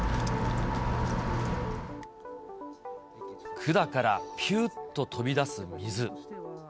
管から、ぴゅーっと飛び出す水。